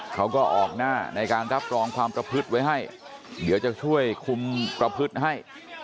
เขาก็ออกหน้าในการรับรองความประพฤติไว้ให้เดี๋ยวจะช่วยคุมประพฤติให้